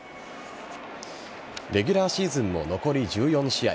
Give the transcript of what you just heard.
レギュラーシーズンも残り１４試合。